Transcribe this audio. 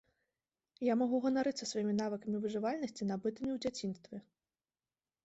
Я магу ганарыцца сваімі навыкамі выжывальнасці, набытымі ў дзяцінстве.